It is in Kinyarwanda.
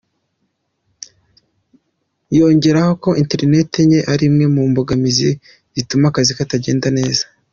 Yongeraho ko na internet nke ari imwe mu mbogamizi zituma akazi katagenda neza.